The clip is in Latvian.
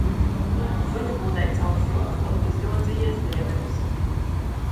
Suņu būdai caurs jumts un izļodzījies lievenis.